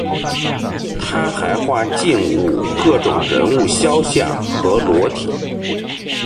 他还画静物、各种人物肖像和裸体。